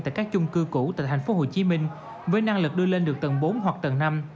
tại các chung cư cũ tại thành phố hồ chí minh với năng lực đưa lên được tầng bốn hoặc tầng năm